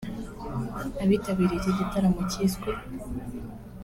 Abitabiriye iki gitaramo cyiswe �